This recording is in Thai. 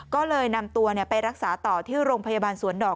ก็เลยนำตัวไปรักษาต่อที่โรงพยาบาลสวนดอก